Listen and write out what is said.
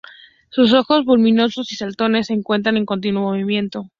Sus ojos, voluminosos y saltones, se encuentran en continuo movimiento.